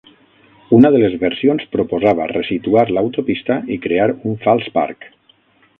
Una de les versions proposava ressituar l'autopista i crear un fals parc.